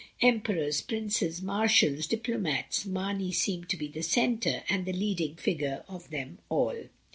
Em perors, princes, marshals, diplomats, Marney seemed to be the centre, and the leading figure of them all.